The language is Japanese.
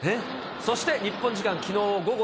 そして日本時間、きのう午後